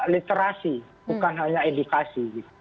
literasi bukan hanya edukasi